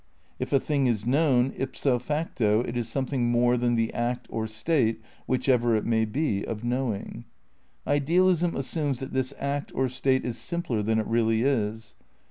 If a thing is known, ipso facto it is something more than the act, or state (which ever it may be) of knowing. /Idealism assumes that this act or state is simpler than it really is.